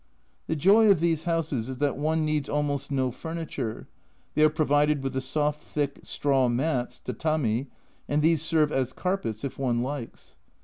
The joy of these houses is that one needs almost no furniture, they are provided with the soft, thick straw mats (tatami), and these serve as carpets if one likes.